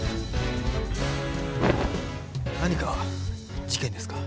何か事件ですか？